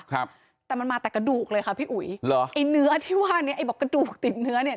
ครับแต่มันมาแต่กระดูกเลยค่ะพี่อุ๋ยเหรอไอ้เนื้อที่ว่าเนี้ยไอ้บอกกระดูกติดเนื้อเนี้ย